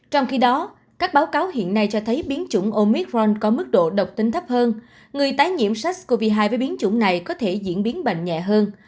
trong khi đó các báo cáo hiện nay cho thấy biến chủng omithron có mức độ độc tính thấp hơn người tái nhiễm sars cov hai với biến chủng này có thể diễn biến bệnh nhẹ hơn